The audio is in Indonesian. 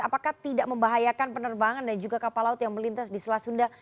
apakah tidak membahayakan penerbangan dan juga kapal laut yang melintas di selat sunda